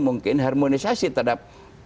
mungkin harmonisasi terhadap